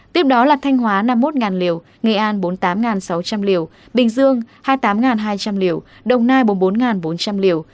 tiếp đó là thanh hóa năm mươi một liều nghệ an bốn mươi tám sáu trăm linh liều bình dương hai mươi tám hai trăm linh liều đồng nai bốn mươi bốn bốn trăm linh liều